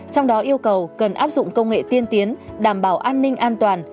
trong đó yêu cầu cần áp dụng công nghệ tiên tiến đảm bảo an ninh an toàn